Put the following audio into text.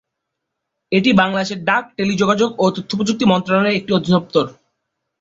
এটি বাংলাদেশের ডাক, টেলিযোগাযোগ ও তথ্যপ্রযুক্তি মন্ত্রণালয়ের একটি অধিদপ্তর।